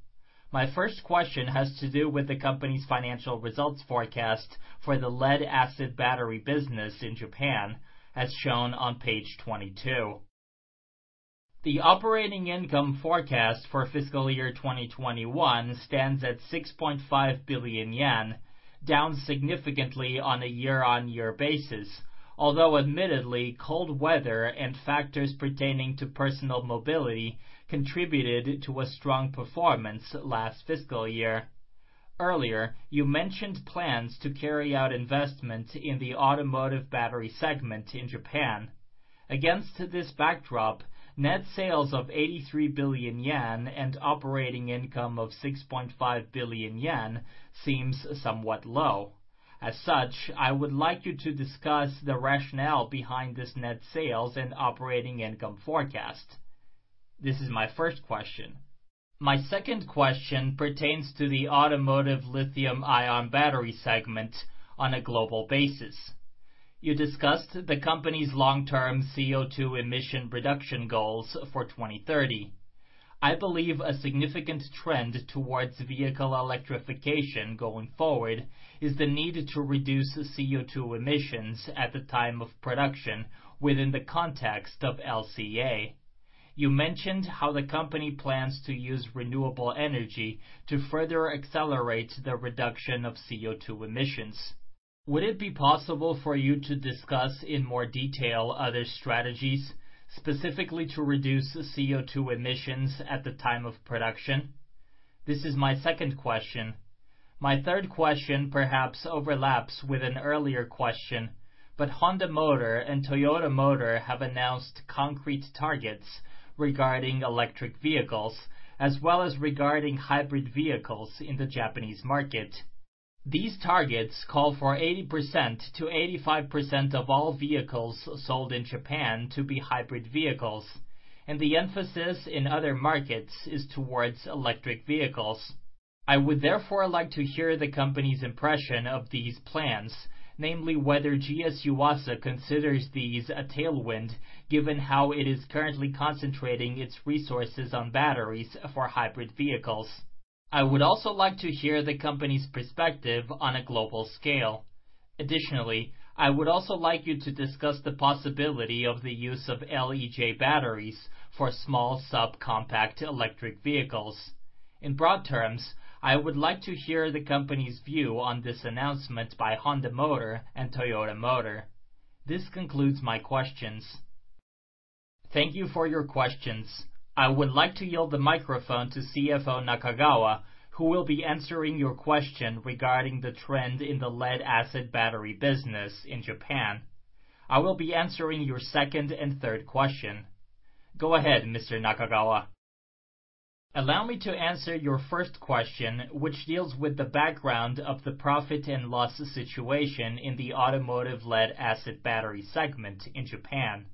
My first question has to do with the company's financial results forecast for the lead-acid battery business in Japan, as shown on page 22. The operating income forecast for fiscal year 2021 stands at 6.5 billion yen, down significantly on a year-on-year basis, although admittedly cold weather and factors pertaining to personal mobility contributed to a strong performance last fiscal year. Earlier, you mentioned plans to carry out investments in the automotive battery segment in Japan. Against this backdrop, net sales of 83 billion yen and operating income of 6.5 billion yen seems somewhat low. As such, I would like you to discuss the rationale behind this net sales and operating income forecast. This is my first question. My second question pertains to the automotive lithium-ion battery segment on a global basis. You discussed the company's long-term CO2 emission reduction goals for 2030. I believe a significant trend towards vehicle electrification going forward is the need to reduce CO2 emissions at the time of production within the context of LCA. You mentioned how the company plans to use renewable energy to further accelerate the reduction of CO2 emissions. Would it be possible for you to discuss in more detail other strategies, specifically to reduce CO2 emissions at the time of production? This is my second question. My third question perhaps overlaps with an earlier question. Honda Motor and Toyota Motor have announced concrete targets regarding electric vehicles, as well as regarding hybrid vehicles in the Japanese market. These targets call for 80%-85% of all vehicles sold in Japan to be hybrid vehicles. The emphasis in other markets is towards electric vehicles. I would therefore like to hear the company's impression of these plans, namely whether GS Yuasa considers these a tailwind, given how it is currently concentrating its resources on batteries for hybrid vehicles. I would also like to hear the company's perspective on a global scale. Additionally, I would also like you to discuss the possibility of the use of LEJ batteries for small subcompact electric vehicles. In broad terms, I would like to hear the company's view on this announcement by Honda Motor and Toyota Motor. This concludes my questions. Thank you for your questions. I would like to yield the microphone to CFO Nakagawa, who will be answering your question regarding the trend in the lead-acid battery business in Japan. I will be answering your second and third question. Go ahead, Mr. Nakagawa. Allow me to answer your first question, which deals with the background of the profit and loss situation in the automotive lead-acid battery segment in Japan.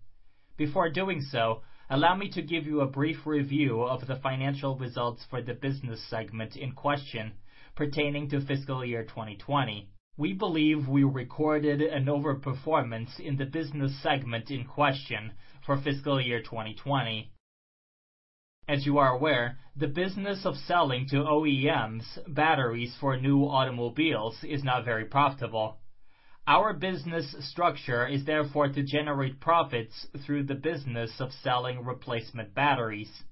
Before doing so, allow me to give you a brief review of the financial results for the business segment in question pertaining to fiscal year 2020. We believe we recorded an over-performance in the business segment in question for fiscal year 2020. As you are aware, the business of selling to OEMs batteries for new automobiles is not very profitable. Our business structure is therefore to generate profits through the business of selling replacement batteries.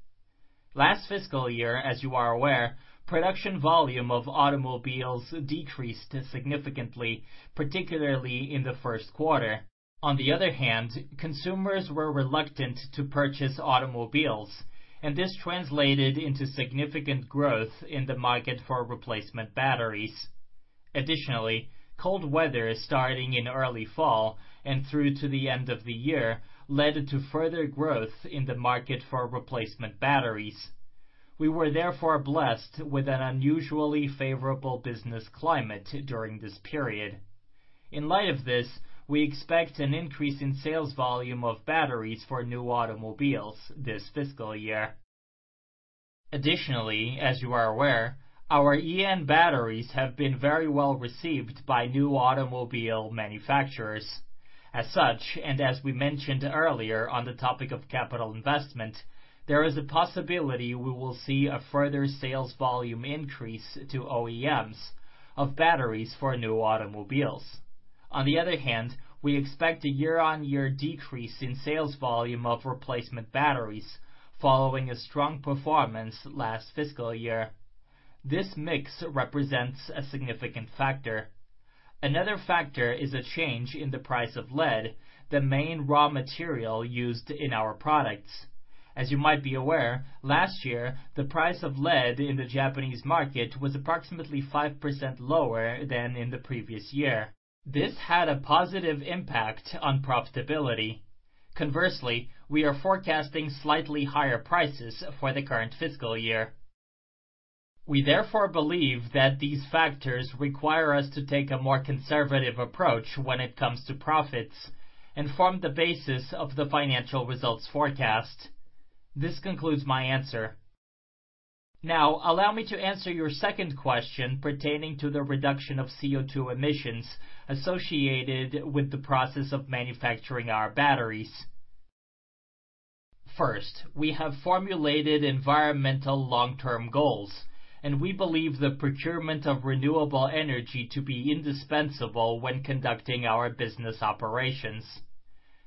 Last fiscal year, as you are aware, production volume of automobiles decreased significantly, particularly in the first quarter. On the other hand, consumers were reluctant to purchase automobiles, and this translated into significant growth in the market for replacement batteries. Additionally, cold weather starting in early fall and through to the end of the year led to further growth in the market for replacement batteries. We were therefore blessed with an unusually favorable business climate during this period. In light of this, we expect an increase in sales volume of batteries for new automobiles this fiscal year. Additionally, as you are aware, our EN batteries have been very well-received by new automobile manufacturers. As such, and as we mentioned earlier on the topic of capital investment, there is a possibility we will see a further sales volume increase to OEMs of batteries for new automobiles. On the other hand, we expect a year-on-year decrease in sales volume of replacement batteries following a strong performance last fiscal year. This mix represents a significant factor. Another factor is a change in the price of lead, the main raw material used in our products. As you might be aware, last year, the price of lead in the Japanese market was approximately 5% lower than in the previous year. This had a positive impact on profitability. Conversely, we are forecasting slightly higher prices for the current fiscal year. We therefore believe that these factors require us to take a more conservative approach when it comes to profits and form the basis of the financial results forecast. This concludes my answer. Allow me to answer your second question pertaining to the reduction of CO2 emissions associated with the process of manufacturing our batteries. We have formulated environmental long-term goals. We believe the procurement of renewable energy to be indispensable when conducting our business operations.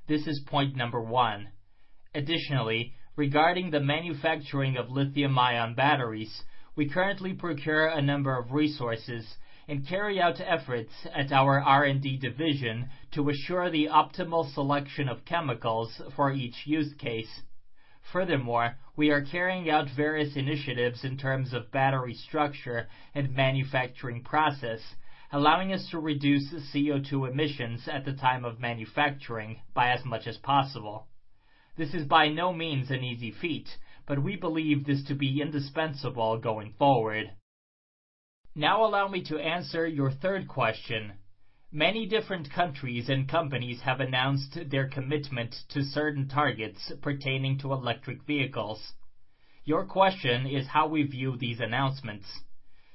This is point number one. Regarding the manufacturing of lithium-ion batteries, we currently procure a number of resources and carry out efforts at our R&D division to assure the optimal selection of chemicals for each use case. We are carrying out various initiatives in terms of battery structure and manufacturing process, allowing us to reduce CO2 emissions at the time of manufacturing by as much as possible. This is by no means an easy feat. We believe this to be indispensable going forward. Allow me to answer your third question. Many different countries and companies have announced their commitment to certain targets pertaining to electric vehicles. Your question is how we view these announcements.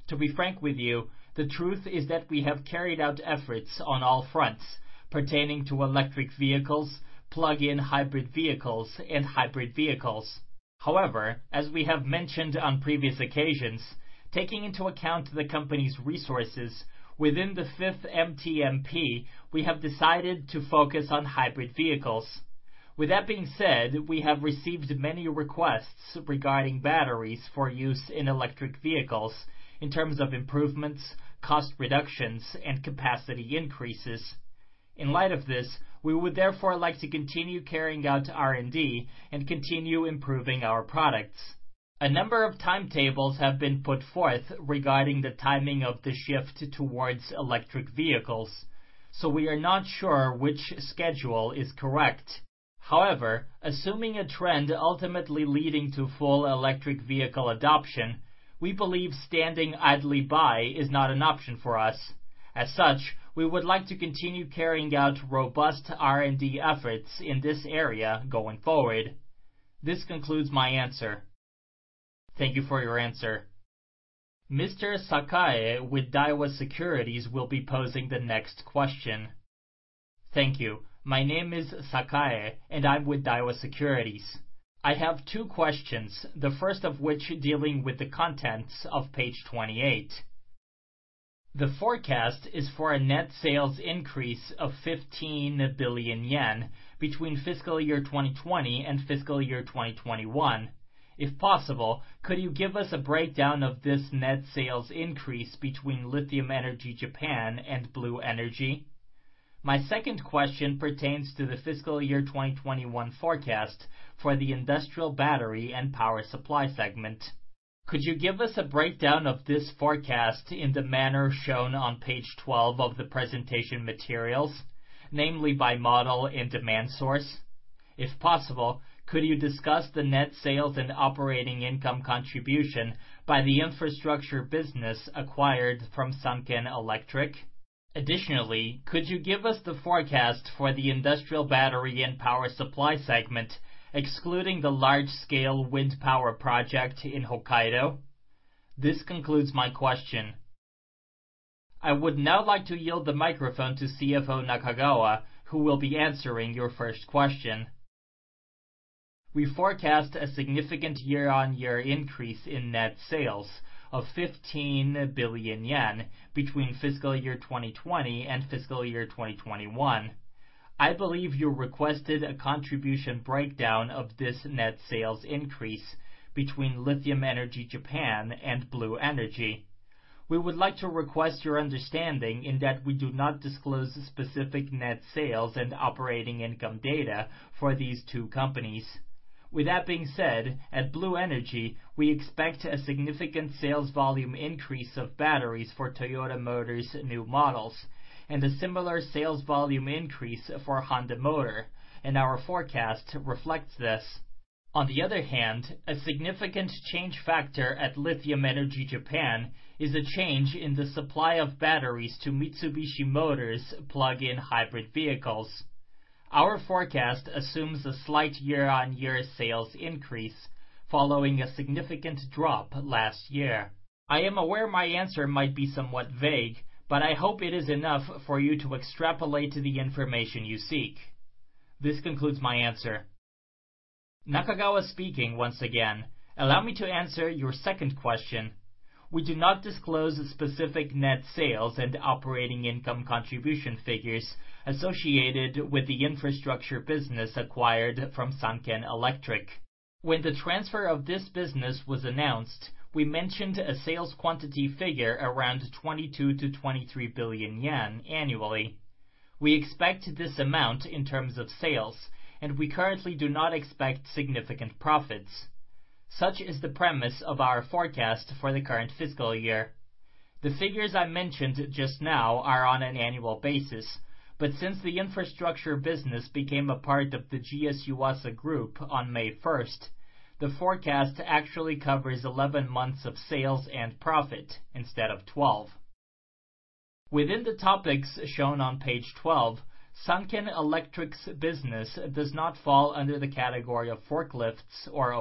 To be frank with you, the truth is that we have carried out efforts on all fronts pertaining to electric vehicles, plug-in hybrid vehicles, and hybrid vehicles. However, as we have mentioned on previous occasions, taking into account the company's resources, within the fifth MTMP, we have decided to focus on hybrid vehicles. With that being said, we have received many requests regarding batteries for use in electric vehicles in terms of improvements, cost reductions, and capacity increases. In light of this, we would therefore like to continue carrying out R&D and continue improving our products. A number of timetables have been put forth regarding the timing of the shift towards electric vehicles. We are not sure which schedule is correct. However, assuming a trend ultimately leading to full electric vehicle adoption, we believe standing idly by is not an option for us. As such, we would like to continue carrying out robust R&D efforts in this area going forward. This concludes my answer. Thank you for your answer. Mr. Sakae with Daiwa Securities will be posing the next question. Thank you. My name is Sakae, and I'm with Daiwa Securities. I have two questions, the first of which dealing with the contents of page 28. The forecast is for a net sales increase of 15 billion yen between fiscal year 2020 and fiscal year 2021. If possible, could you give us a breakdown of this net sales increase between Lithium Energy Japan and Blue Energy? My second question pertains to the fiscal year 2021 forecast for the industrial battery and power supply segment. Could you give us a breakdown of this forecast in the manner shown on page 12 of the presentation materials, namely by model and demand source? If possible, could you discuss the net sales and operating income contribution by the infrastructure business acquired from Sanken Electric? Additionally, could you give us the forecast for the industrial battery and power supply segment, excluding the large-scale wind power project in Hokkaido? This concludes my question. I would now like to yield the microphone to CFO Nakagawa, who will be answering your first question. We forecast a significant year-on-year increase in net sales of 15 billion yen between fiscal year 2020 and fiscal year 2021. I believe you requested a contribution breakdown of this net sales increase between Lithium Energy Japan and Blue Energy. We would like to request your understanding in that we do not disclose specific net sales and operating income data for these two companies. With that being said, at Blue Energy, we expect a significant sales volume increase of batteries for Toyota Motor's new models and a similar sales volume increase for Honda Motor, and our forecast reflects this. On the other hand, a significant change factor at Lithium Energy Japan is a change in the supply of batteries to Mitsubishi Motors' plug-in hybrid vehicles. Our forecast assumes a slight year-on-year sales increase following a significant drop last year. I am aware my answer might be somewhat vague, but I hope it is enough for you to extrapolate to the information you seek. This concludes my answer. Nakagawa speaking once again. Allow me to answer your second question. We do not disclose specific net sales and operating income contribution figures associated with the infrastructure business acquired from Sanken Electric. When the transfer of this business was announced, we mentioned a sales quantity figure around 22 billion-23 billion yen annually. We expect this amount in terms of sales, and we currently do not expect significant profits. Such is the premise of our forecast for the current fiscal year. The figures I mentioned just now are on an annual basis, but since the infrastructure business became a part of the GS Yuasa Group on May 1st, the forecast actually covers 11 months of sales and profit instead of 12. Within the topics shown on page 12, Sanken Electric's business does not fall under the category of forklifts or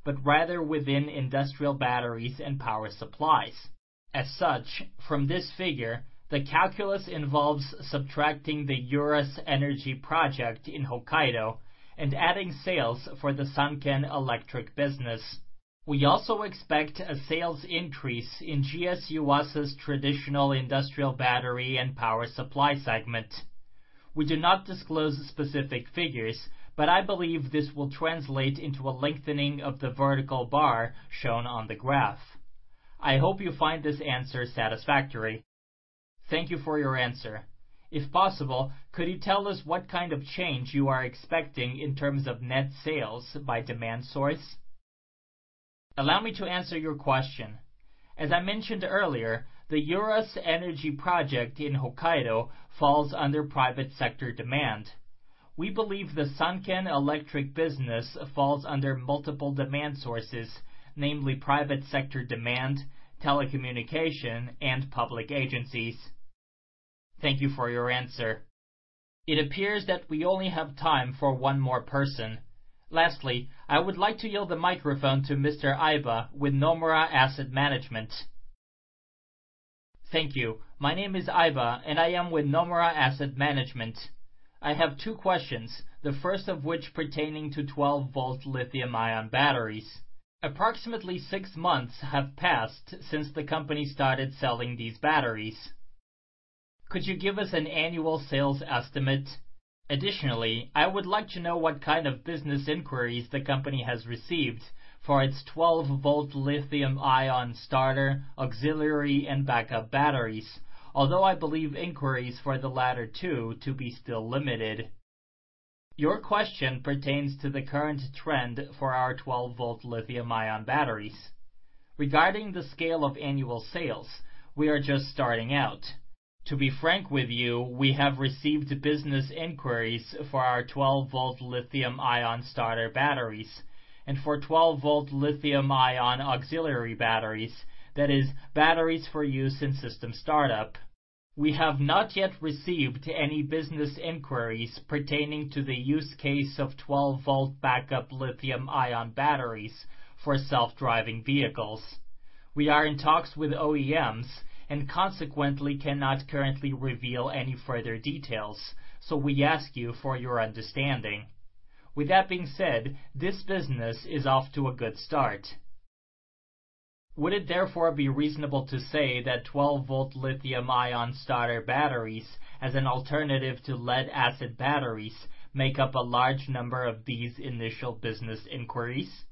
overseas, but rather within industrial batteries and power supplies. As such, from this figure, the calculus involves subtracting the Eurus Energy project in Hokkaido and adding sales for the Sanken Electric business. We also expect a sales increase in GS Yuasa's traditional industrial battery and power supply segment. We do not disclose specific figures, but I believe this will translate into a lengthening of the vertical bar shown on the graph. I hope you find this answer satisfactory. Thank you for your answer. If possible, could you tell us what kind of change you are expecting in terms of net sales by demand source? Allow me to answer your question. As I mentioned earlier, the Eurus Energy project in Hokkaido falls under private sector demand. We believe the Sanken Electric business falls under multiple demand sources, namely private sector demand, telecommunication, and public agencies. Thank you for your answer. It appears that we only have time for one more person. Lastly, I would like to yield the microphone to Mr. Aiba with Nomura Asset Management. Thank you. My name is Aiba. I am with Nomura Asset Management. I have two questions, the first of which pertaining to 12-V lithium-ion batteries. Approximately six months have passed since the company started selling these batteries. I would like to know what kind of business inquiries the company has received for its 12-V lithium-ion starter, auxiliary, and backup batteries, although I believe inquiries for the latter two to be still limited. Your question pertains to the current trend for our 12-V lithium-ion batteries. Regarding the scale of annual sales, we are just starting out. To be frank with you, we have received business inquiries for our 12-V lithium-ion starter batteries and for 12-V lithium-ion auxiliary batteries, that is, batteries for use in system startup. We have not yet received any business inquiries pertaining to the use case of 12-V backup lithium-ion batteries for self-driving vehicles. We are in talks with OEMs and consequently cannot currently reveal any further details. We ask you for your understanding. With that being said, this business is off to a good start. Would it therefore be reasonable to say that 12-V lithium-ion starter batteries, as an alternative to lead-acid batteries, make up a large number of these initial business inquiries?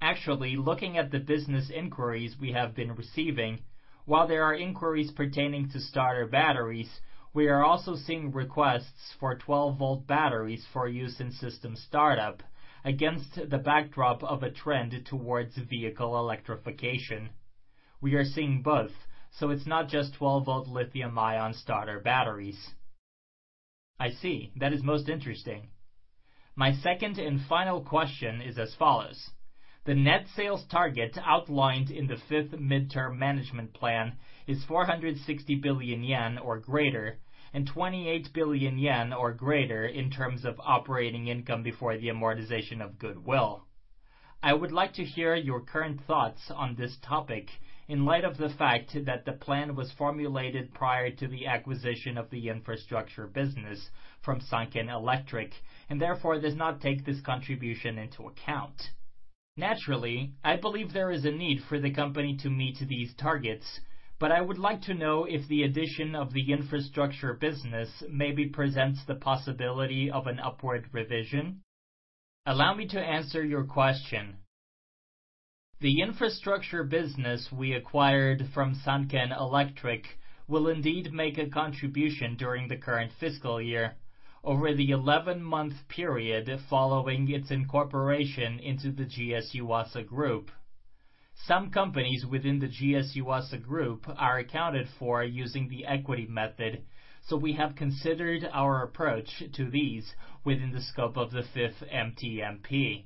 Actually, looking at the business inquiries we have been receiving, while there are inquiries pertaining to starter batteries, we are also seeing requests for 12-V batteries for use in system startup against the backdrop of a trend towards vehicle electrification. We are seeing both. It's not just 12-V lithium-ion starter batteries. I see. That is most interesting. My second and final question is as follows. The net sales target outlined in the fifth Mid-Term Management Plan is 460 billion yen or greater, and 28 billion yen or greater in terms of operating income before the amortization of goodwill. I would like to hear your current thoughts on this topic in light of the fact that the plan was formulated prior to the acquisition of the infrastructure business from Sanken Electric, and therefore does not take this contribution into account. Naturally, I believe there is a need for the company to meet these targets, but I would like to know if the addition of the infrastructure business maybe presents the possibility of an upward revision. Allow me to answer your question. The infrastructure business we acquired from Sanken Electric will indeed make a contribution during the current fiscal year over the 11-month period following its incorporation into the GS Yuasa Group. Some companies within the GS Yuasa Group are accounted for using the equity method. We have considered our approach to these within the scope of the fifth MTMP.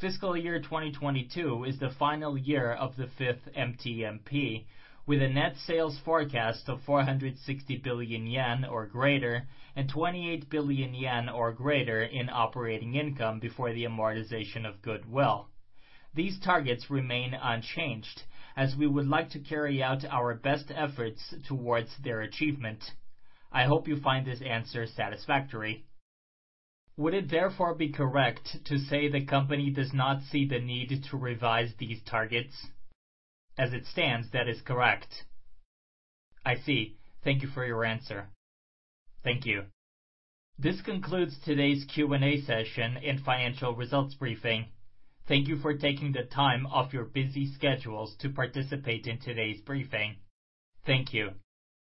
Fiscal year 2022 is the final year of the fifth MTMP, with a net sales forecast of 460 billion yen or greater and 28 billion yen or greater in operating income before the amortization of goodwill. These targets remain unchanged, as we would like to carry out our best efforts towards their achievement. I hope you find this answer satisfactory. Would it therefore be correct to say the company does not see the need to revise these targets? As it stands, that is correct. I see. Thank you for your answer. Thank you. This concludes today's Q&A session and financial results briefing. Thank you for taking the time off your busy schedules to participate in today's briefing. Thank you.